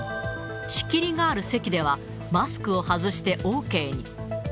仕切りがある席では、マスクを外してＯＫに。